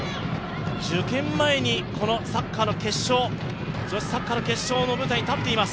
受験前にこのサッカーの決勝女子サッカーの決勝の舞台に立っています。